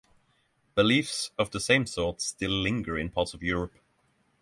Beliefs of the same sort still linger in parts of Europe.